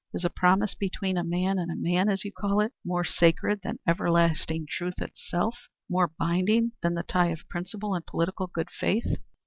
Is a promise between man and man, as you call it, more sacred than everlasting truth itself? More binding than the tie of principle and political good faith?